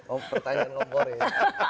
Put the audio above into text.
oh pertanyaan ngomong ya